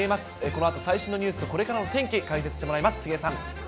このあと最新のニュースと、これからの天気、解説してもらいます。